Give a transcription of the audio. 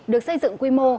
được xây dựng quy mô